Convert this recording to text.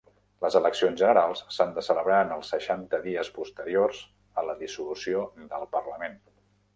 Les eleccions generals s'han de celebrar en els seixanta dies posteriors a la dissolució del parlament.